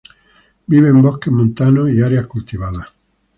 Vive en bosques montanos y áreas cultivadas.